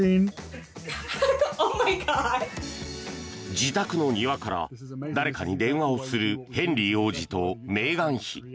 自宅の庭から誰かに電話をするヘンリー王子とメーガン妃。